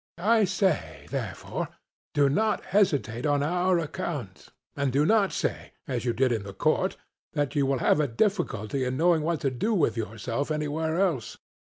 I say, therefore, do not hesitate on our account, and do not say, as you did in the court (compare Apol.), that you will have a difficulty in knowing what to do with yourself anywhere else.